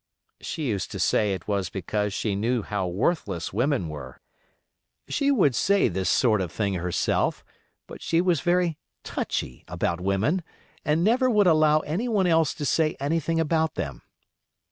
She used to say it was because she knew how worthless women were. She would say this sort of thing herself, but she was very touchy about women, and never would allow any one else to say anything about them.